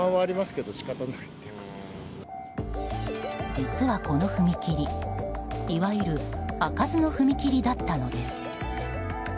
実はこの踏切、いわゆる開かずの踏切だったのです。